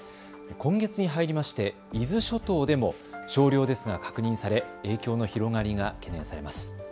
今月に入りまして、伊豆諸島でも少量ですが確認され、影響の広がりが懸念されます。